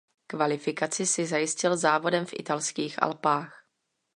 Kvalifikaci si zajistil závodem v italských Alpách.